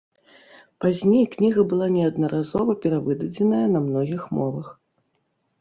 Пазней кніга была неаднаразова перавыдадзеная на многіх мовах.